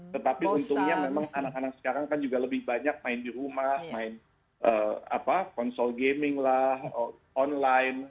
tetapi untungnya memang anak anak sekarang kan juga lebih banyak main di rumah main konsol gaming lah online